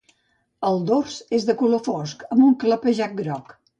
El dors és de color fosc amb un clapejat groc.